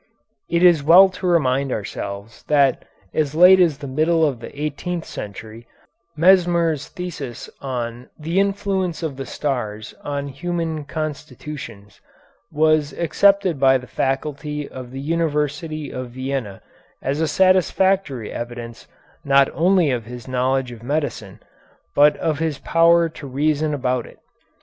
It is well to remind ourselves that as late as the middle of the eighteenth century Mesmer's thesis on "The Influence of the Stars on Human Constitutions" was accepted by the faculty of the University of Vienna as a satisfactory evidence not only of his knowledge of medicine, but of his power to reason about it.